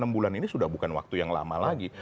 enam bulan ini sudah bukan waktu yang lama lagi